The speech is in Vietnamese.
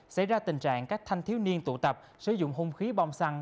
xảy ra tình trạng các thanh thiếu niên tụ tập sử dụng hung khí bom xăng